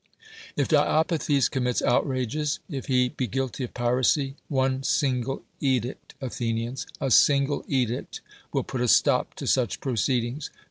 If Diopithes commits outrages — if he be guilty of piracy, one single edict, Athenians — a single edict will put a stop to such proceedings.